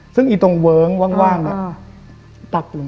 ซึ่งตรงเว้ย้ึงว่างเนี่ย